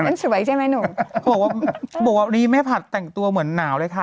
สวยใช่ไหมหนูบอกว่าวันนี้แม่ผัดแต่งตัวเหมือนหนาวเลยค่ะ